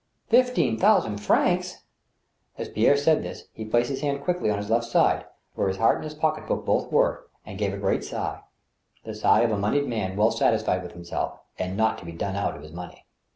" Fifteen thousand francs !" As Pierre said this, he placed his hand quickly on his left side, where his heart and his pocket book both were, and gave a g^eat sigh — the sigh of a moneyed man well satisfied with himself, and not to be done out of his money.